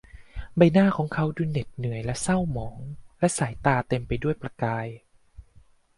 ใบหน้าของเขาดูเหน็ดเหนื่อยและเศร้าหมอง และสายตาเต็มไปด้วยประกาย